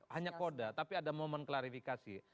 hanya koda tapi ada momen klarifikasi